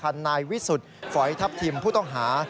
นายวิสุทธิ์ฝอยทัพทิมผู้ต้องหา